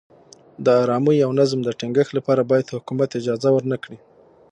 د ارامۍ او نظم د ټینګښت لپاره باید حکومت اجازه ورنه کړي.